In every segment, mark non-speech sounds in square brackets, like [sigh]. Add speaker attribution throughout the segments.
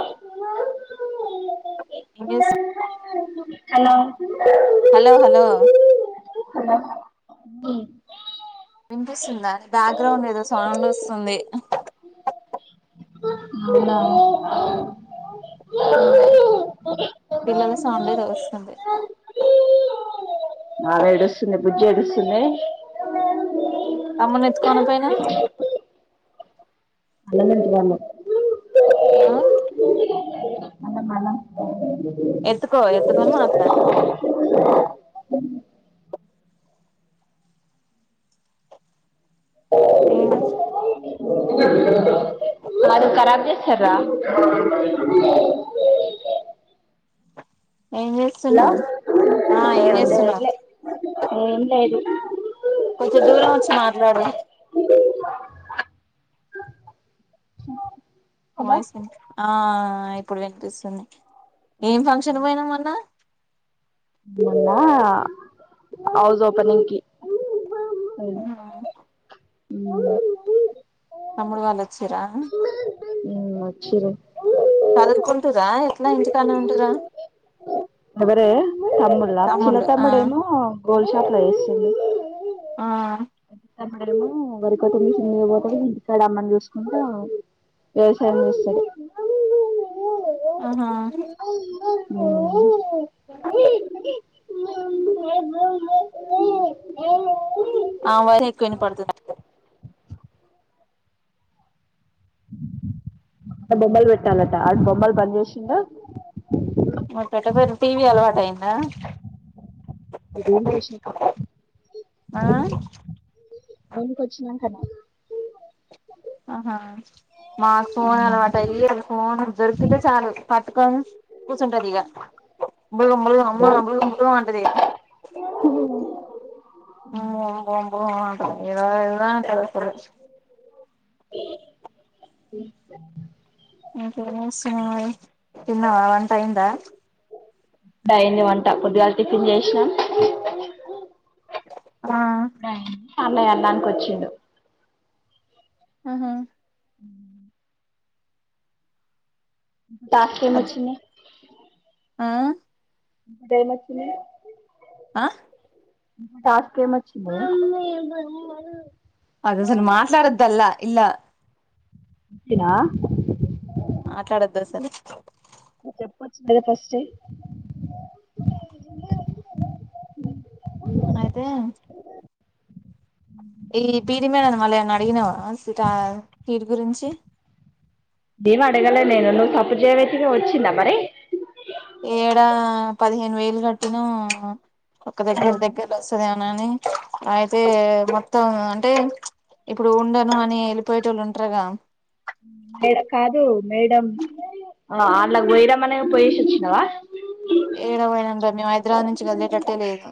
Speaker 1: మా
Speaker 2: ఏం చేస్తు
Speaker 1: హలో
Speaker 2: హలో హలో
Speaker 1: హలో ఆ
Speaker 2: వినిపిస్తుందా అండి బ్యాక్రౌండ్ ఏదో సౌండ్ వస్తుంది
Speaker 1: అవునా
Speaker 2: [inaudible] పిల్లల సౌండేదో వస్తుంది
Speaker 1: బాగా ఏడుస్తుంది బుజ్జి ఏడుస్తుంది
Speaker 2: తమ్మునెత్తుకుని పోయినా
Speaker 1: అలాంటి దామె
Speaker 2: ఆ
Speaker 1: అన్నం అన్నం
Speaker 2: ఎత్తుకో ఎత్తుకొని మాట్లాడు ఏ
Speaker 1: అది ఖరాబ్ చేస్తారా [inaudible]
Speaker 2: ఏం
Speaker 1: హలో
Speaker 2: చేస్తున్నావ్ ఆ ఏం
Speaker 1: ఏముంది
Speaker 2: చేస్తున్నావ్
Speaker 1: లే ఏం లేదు
Speaker 2: కొంచెం దూరం వచ్చి మాట్లాడు
Speaker 1: అబ్బా
Speaker 2: వాయిస్ ఆ ఇప్పుడు వినిపిస్తుంది ఏం ఫంక్షన్ పోయినా మన్న
Speaker 1: మొన్నా హౌస్ ఓపెనింగ్కి
Speaker 2: తమ్ముడు వాళ్ళొచ్చిరా
Speaker 1: ఉ వొచ్చిరూ
Speaker 2: చదువుకుంటరా ఎట్లా ఇంటికాని ఉంటురా [inaudible]
Speaker 1: తమ్ముడులా చిన్న
Speaker 2: తమ్ముళ్ళు ఆ
Speaker 1: తమ్ముడేమో గోల్డ్ షాప్ లా చేస్తుండు
Speaker 2: ఆ
Speaker 1: డ వరికతు చిన్న పోతుంది ఇంటికాడమ్మని చూసుకుంటూ వేరుశనగ చూస
Speaker 2: ఆహా
Speaker 1: అ ఉ మబ
Speaker 2: ఆ వర ఎక్కువని పడుతు
Speaker 1: బొమ్మలు పెట్టాలాంటా ఆ బొమ్మలు బంద్ చేసిందా
Speaker 2: మరి పెట్టపోయిరు టీవీ అలవాటు అయ్యిందా
Speaker 1: రూమ్కి వచ్చినాక
Speaker 2: [inaudible] ఆ
Speaker 1: కొచ్చినంక నా
Speaker 2: ఆహా మాకు ఫోన్ అలవాటు ఫోన్ దొరికితే చాలు పటు కూంటదిగా [unintelligible] అంటది [unintelligible] ఇక తిన్నవా వంటైందా
Speaker 1: దైంది వంట పొద్దుగా టిఫిన్ చేసిన అ
Speaker 2: ఆ
Speaker 1: అన్న వెళ్ళడానికి వచ్చిడు
Speaker 2: ఆహా
Speaker 1: ఉ
Speaker 2: అది
Speaker 1: టాస్కేమొచ్చింది
Speaker 2: ఆ
Speaker 1: దైమచ్చి [unintelligible]
Speaker 2: ఆ
Speaker 1: టాస్క్ ఏమొచ్చిందే
Speaker 2: [unintelligible] మాట్లాడద్ల్ అలా ఇలా
Speaker 1: ఇచ్చినా
Speaker 2: మాట్లాడద్దు అసలు
Speaker 1: చెప్పచ్చు [unintelligible]
Speaker 2: అయితే ఈ పీడిమేనా మళ్ళీ ఏన్న అడిగినావా స హీడ్ గురించి
Speaker 1: [unintelligible] అడగలే నేను నువ్వు సప్పు చేయవైతికి వచ్చి మరి
Speaker 2: ఏడా పదిహేను వేలు కట్టిన ఒక
Speaker 1: ఆ
Speaker 2: దగ్గర దగ్గర వస్తది [unintelligible] అయితే మొత్తం అంటే ఇప్పుడు ఉండను అని వెళ్ళిపోయే టోలు ఉంటారుగ
Speaker 1: మే కాదు మేడం
Speaker 2: [unintelligible] మేము హైదరాబాద్ నుంచి కదిలేటట్టే లేదు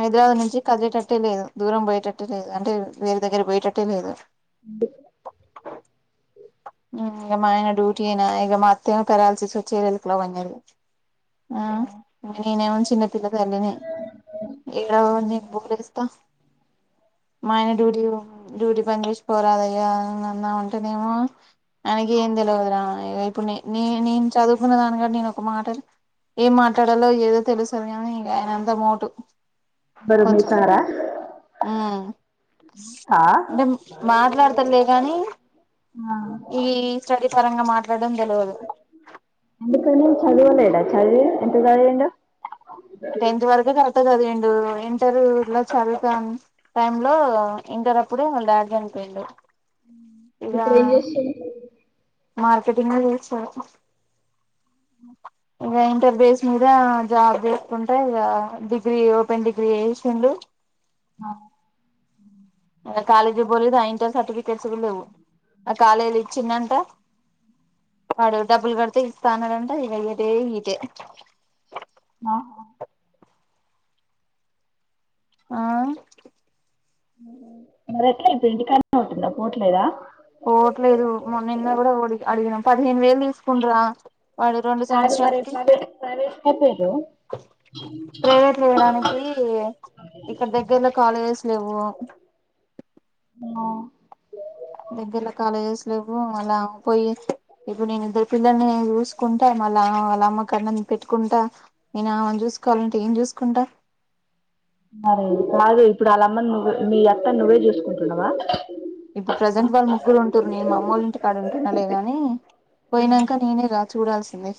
Speaker 2: హైదరాబాద్ నుంచి కదిలేటట్టే లేదు దూరం పోయేటట్టటు లేదు అంటే వేరే దగ్గర పోయటట్టే లేదు
Speaker 1: అ
Speaker 2: ఇక మా ఆయన డ్యూటీ అయినా ఇక మా అత్త్యమ పెరాల్సిస్ వచ్చే [unintelligible] ఆ నేను ఏమో చిన్న [unintelligible] [unintelligible] [unintelligible] అన్నామంటే [unintelligible] ఆయనకి ఏం తెలవదురా [unintelligible] నే నేను చదువుకున్న దాని కా నేను ఒక మాట ఏం మాట్లాడాలో ఏదో తెలుసు గానీ ఇక ఆయన అంత మోటు
Speaker 1: ఎవరు మీ
Speaker 2: కొంచం
Speaker 1: సారా ఆ
Speaker 2: అంటే మాట్లాడతలే గాని
Speaker 1: ఆ
Speaker 2: ఈ స్టడీ పరంగా మాట్లాడడం తెలవదు
Speaker 1: [unintelligible] చదువలేడా [unintelligible] ఎంత చదివిండు
Speaker 2: టెన్త్ [unintelligible] ఇంటర్ ఇలా చదుకని టైమ్ లో ఇంటర్ అప్పుడు వాళ్ళ డాడి చనిపోయిండు ఇగ
Speaker 1: ఇప్పుడు ఏం చేసి
Speaker 2: మార్కెటింగ్ [unintelligible] ఇంగ ఇంటర్ బేస్ మీద జాబ్ చేసుకుంటే ఇ డిగ్రీ ఓపెన్ డిగ్రీ చేసిండు
Speaker 1: అ
Speaker 2: కాలేజీ పోలేదు ఆ ఇంటర్ సర్టిఫికెట్స్ కూడ లేవు ఆ కాలేజీలో [unintelligible] వాడు డబ్బులు గడితే ఈ స్థాంట ఇ ఇద ఇద
Speaker 1: ఆ
Speaker 2: ఆ
Speaker 1: మరి ఎట్ల ఇప్పుడు ఇంటికన్నె వుంటుంద పోట్లేద
Speaker 2: పోట్లేదు మొ నిన్న కూడ అడిగినం పదిహేను వేలు తీసుకుంట్ర వాడు రొండు
Speaker 1: కాదు మరి
Speaker 2: సంవత్సరాలకి
Speaker 1: ప్రైవేట్ ప్రైవేట్ అయిపోయిర్రు
Speaker 2: [unintelligible] ఇక్కడ దగ్గర్లో కాలేజెస్ లేవు
Speaker 1: ఆ
Speaker 2: దగ్గర్ల కాలేజెస్ లెవ్వు మళ్ళా పొయ్యి ఇప్పుడు నేనిద్దరు పిల్లల్నీ జూసుకుంట మళ్ళా వాళ్ళమ్మకన్నం పెట్టుకుంటా నేనావెన్జూస్కోవాల్నంటే ఏం జూస్కుంటా?
Speaker 1: మరీ ఇప్పుడాళ్ళమ్మన్నువ్వ్ మీ అత్తన్నువ్వే జూస్కుంటున్నవా?
Speaker 2: ఇప్పుడు ప్రజెంట్ వాళ్ముగ్గురు ఉంటుర్రు నేన్మామ్మోళ్ళింటికాడుంటున్నలే గానీ పోయినంక నేనేరా చూడాల్సింది.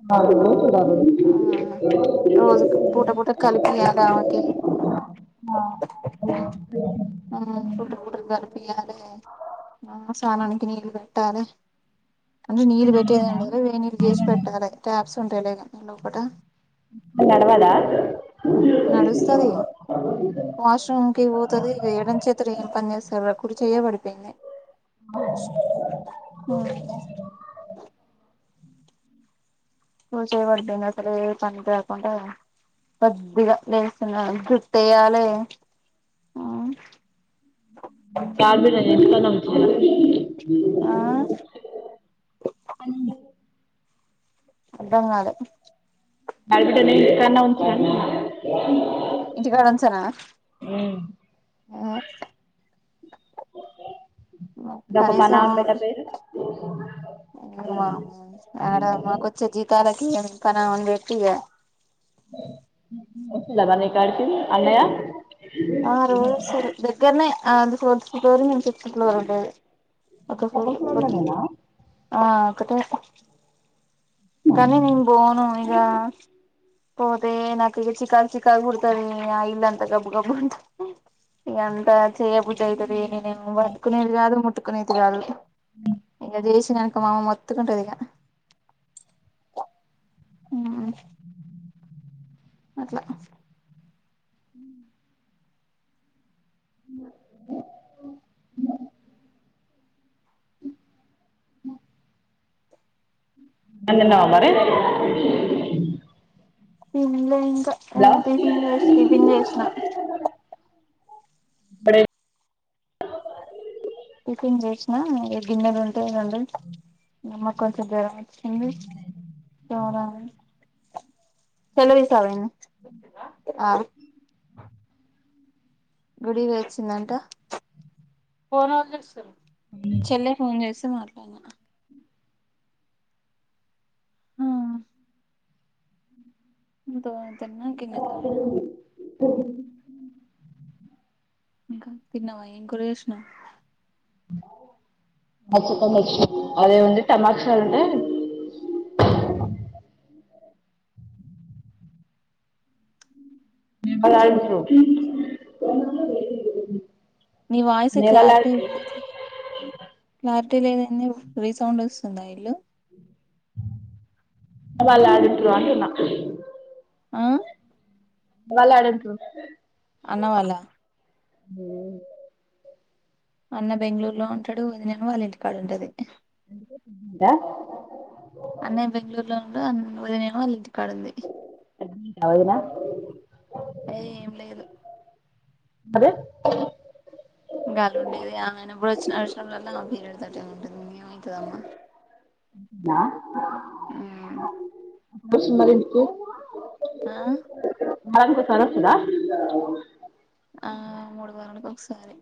Speaker 1: [unintelligible]
Speaker 2: రోజు పూట పూట కలిపియాలి ఆమెకి
Speaker 1: ఆ [unintelligible]
Speaker 2: ఆ కొటుంబు గర్పియ్యాలే ఆ సానానికి నీళ్ళు బెట్టాలే అన్నీ నీళ్ళు పెట్టేదేవుండదు వేన్నీళ్ళు జేసి పెట్టాలె ట్యాప్సుంటయిలే గానీ లోపట.
Speaker 1: నడవద్
Speaker 2: నడుస్తదీ వాష్రూమ్కి వోత్ త్తది ఇగ ఎడం చేతోటేంపన్జేస్తరో కుడి చెయ్యే పడిపోయింది. ఊహు భోన్చెయ్యవాంటున్నడు స్సలేం పనికి రాకుంటా కొద్దిగ లేస్తున్నాడంత్ జుట్టెయ్యాలే
Speaker 1: [unintelligible]
Speaker 2: ఆ అర్థంగాలే
Speaker 1: ఆడిబిడ్డోళ్ళింటి కాన్నే ఉంచురంటున్న
Speaker 2: ఇంటికాడుంచనా? ఊ
Speaker 1: ఇదొక పని
Speaker 2: కనీసం
Speaker 1: ఆమె బిడ్డ పేరు
Speaker 2: వామ్మో ఆడ మాకొచ్చే జీతాలకీ పనావన్బెట్టి ఇగా
Speaker 1: వచ్చిండా మర్నీకాడికి అన్నయ్య?
Speaker 2: ఆ రోజొస్తడు దగ్గరనే ఆయన్ది ఫోర్తు ఫ్లోరు మేం ఫిఫ్త్ ఫ్లోరుండేది. ఒక్క ఫ్లోరు
Speaker 1: నేనా
Speaker 2: [unintelligible] ఆ ఒక్కటే కని నిన్బోను ఇగా పోతే నాకిగ చికాక్చికాక్బుడతదీ ఆ ఇల్లంత గబ్బు గబ్బు ఇగంత చేయబుద్దయితది నేనేం వట్టుకునేది గాదు ముట్టుకునేది గాదు. ఇంగ జేసినంక మామ మొత్కుంటదిగ ఉమ్ అట్ల
Speaker 1: ఉ అన్నందిన్నవా మరి?
Speaker 2: తిన్లే ఇంకా ఆ
Speaker 1: హలో
Speaker 2: టిఫిన్ జేశ్ టిఫిన్ జేశ్న
Speaker 1: ఇప్పుడే
Speaker 2: టిఫిన్జేశ్నా ఇగ గిన్నెలుంటే రొండు ఇంగమ్మక్కొంచెం జ్వరమొచ్చింది [unintelligible] సెలవిస్తార ఇంగ ఆ గుడిక్వొయొచ్చిందంట ఫోనెవళ్జేశిర్రు? చెల్లె ఫోన్ జేస్తె మాట్లాడ్న. హూ ఇంతో తిన్నా కిందనే
Speaker 1: తె హి హి
Speaker 2: ఇంకా తిన్నవా ఎన్ కూర చేష్ణవ్
Speaker 1: మచ్చికనేష్ అదే ఉంది టమాక్షర్ ఉంటే
Speaker 2: ఆ
Speaker 1: నిన్న కాద్
Speaker 2: సరే
Speaker 1: ఇప్పుడు
Speaker 2: నీ వాయిస్
Speaker 1: అనే వాళ్ళు
Speaker 2: క్లారిటీ
Speaker 1: ఆడింట్రు
Speaker 2: ఉండదు క్లారిటీ లేద్ ఎన్యూ రీ సౌండ్ ఒస్తుందా ఇల్లు
Speaker 1: వాళ్ళంట్రూ అంటున్న
Speaker 2: అ
Speaker 1: వల్లా డున్ట్రు
Speaker 2: అన్నావాళ్ళ
Speaker 1: దే య
Speaker 2: అన్న బెంగళూరులో ఉంటడు ఒదినేమో ఆళ్ ఇంటికాడుంటది
Speaker 1: ందా
Speaker 2: అన్నయ్ బెంగళూరులో ఉండు అన్ ఒదినేమో ఆళ్ళింట్
Speaker 1: అఒదిన
Speaker 2: ఏ ఏం
Speaker 1: అదే
Speaker 2: అ గాల్ ఉండేది ఆమెనెప్పుడ్ ఒచ్చినచ్చడం వల్ల ఆ పీరియడ్ తోటే ఉంటుంద్ ఇంగ్ ఏముంటదమ్మా
Speaker 1: నా
Speaker 2: మ్మ్
Speaker 1: [unintelligible] మరింటికి
Speaker 2: ఆ
Speaker 1: వారాన్ కోసారోస్తడా
Speaker 2: ఆ మూడు వారాలక్ ఒకసారి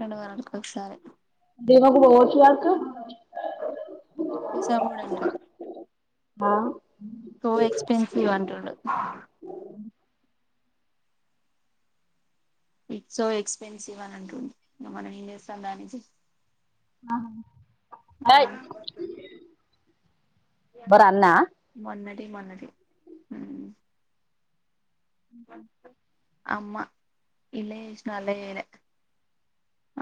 Speaker 2: రెండు వారాలక్ ఒకసారి
Speaker 1: బీమగుబ వోచ్చు గడ్ క్
Speaker 2: తిసా బోడంట
Speaker 1: మా
Speaker 2: సో ఎక్స్పెన్సీవ్ అంటుండు ఇట్ సో ఎక్స్పెన్సివ్ అన్ అంటుండ్ ఇంగ్ మనం ఏం చేస్తాం దానికి
Speaker 1: అహ బై
Speaker 2: ఆ
Speaker 1: భరన్నా
Speaker 2: మొన్నటి మొన్నటి ఉ
Speaker 1: ఉహు
Speaker 2: అమ్మా ఇల్లె ఏష్ణా అల్ల ఎయ్యలె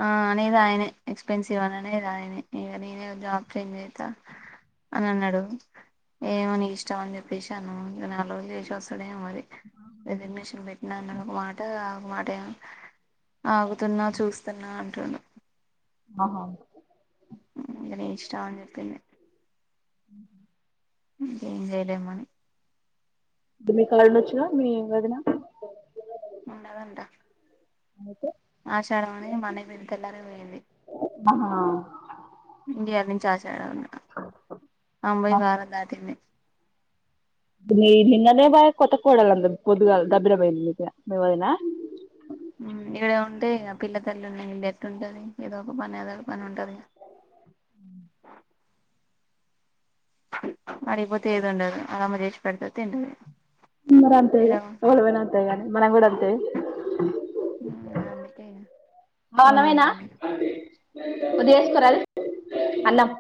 Speaker 2: ఆ అనేద్ ఆయనే ఎక్స్పెన్సివ్ అని అనేద్ ఆయనే ఇగ నేనే జాబ్ చేంజ్చెత్తా అన్ అన్నడు ఏమో నీ ఇష్టం అన్ చెప్పేశన్న ఇగ నాల్ రోజ్ జేశ్ ఒస్తడేమో మరి రిజనేషన్ బెట్నా అన్నద్ ఒక మాట ఒక మాటేమో ఆగుతున్నా చూస్తన్నా అంటుండు
Speaker 1: అహ
Speaker 2: ఉ ఇగ నీ ఇష్టం అన్ చెప్పింది
Speaker 1: అవు [unintelligible]
Speaker 2: ఇంకేం చేయలేమని
Speaker 1: దిమిక లేల్లోచ్చు గ మీ వదిన
Speaker 2: ఉండదంట
Speaker 1: అయితే.
Speaker 2: ఆషాడం అనే మా అన్నయ్య పెళ్లి తెల్లారి పోయింది.
Speaker 1: ఆహ.
Speaker 2: ఇండియా నుంచి ఆషాడం ఆమె పోయి వారం దాటింది.
Speaker 1: మీ నిన్ననే బాయ్ కొత్త కోడాలంత పొదుగా దబ్బిడమయింది న మీక మేముదనా.
Speaker 2: ఈడ ఉంటె ఇక పిల్లతల్లి లెట్ ఉంటది ఏదో ఒక పని ఏదో ఒక పని ఉంటదిక. అడిగిపోతే ఏది ఉండదు ఆళ్ళ అమ్మ చేసి పెడితే తింటది.
Speaker 1: మర అంతే
Speaker 2: ఈడ
Speaker 1: గ ఎవళపోయిన అంతే గాని మనం కూడా అంతేగా.
Speaker 2: అందుకే
Speaker 1: బాగునమేనా.
Speaker 2: పోనీలే అని
Speaker 1: కొద్దిగేసుకోరాదు అన్నాం.